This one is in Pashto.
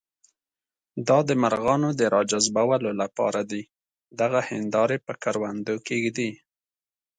دا د مرغانو د راجذبولو لپاره دي، دغه هندارې په کروندو کې ږدي.